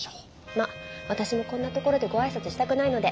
ま私もこんなところでご挨拶したくないので。